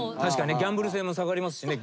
ギャンブル性も下がりますしね。